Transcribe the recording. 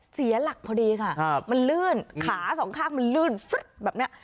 เสียหลักพอดีค่ะมันลื่นขาสองข้างมันลื่นฟึ๊บแบบนี้